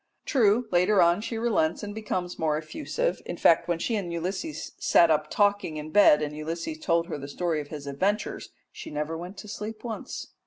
True, later on she relents and becomes more effusive; in fact, when she and Ulysses sat up talking in bed and Ulysses told her the story of his adventures, she never went to sleep once.